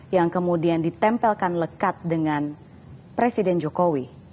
yang kemudian ditempelkan lekat dengan presiden jokowi